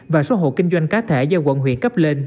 và số hộ kinh doanh cá thể do quận huyện cấp lên